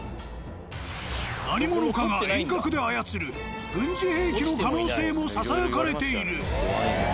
何者かが遠隔で操る軍事兵器の可能性もささやかれている。